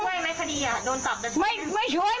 ถ้าโดนตับจะช่วยไหมคดีโดนตับจะช่วยไหม